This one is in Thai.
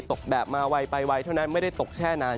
ตกแบบมาไวไปไวเท่านั้นไม่ได้ตกแช่นาน